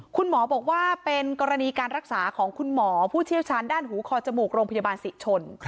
คุณหมอบอกว่าเป็นกรณีการรักษาของคุณหมอผู้เชี่ยวชาญด้านหูคอจมูกโรงพยาบาลศรีชน